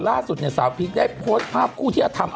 ล่าสุดสาวพีคได้โพสต์ภาพคู่ที่อาธารณ์